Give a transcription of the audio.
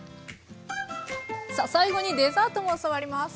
さあ最後にデザートも教わります。